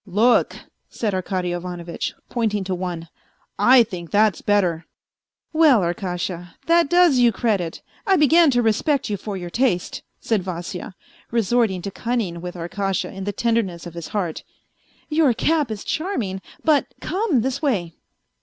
" Look," said Arkady Ivanovitch, pointing to one, " I think that's better." " Well, Arkasha, that does you credit ; I begin to respect you for your taste," said Vasya, resorting to cunning with Arkasha in the tenderness of his heart, " your cap is charming, but come this way."